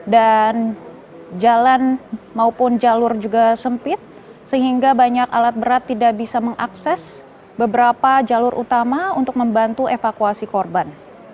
dan jalan maupun jalur juga sempit sehingga banyak alat berat tidak bisa mengakses beberapa jalur utama untuk membantu evakuasi korban